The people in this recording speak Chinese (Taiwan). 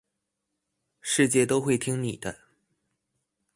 世界都會聽你的